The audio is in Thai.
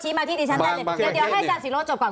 เดี๋ยวให้อาจารย์ศิราฯจบก่อน